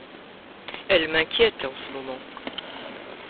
Elle m’inquiète, en ce moment. ..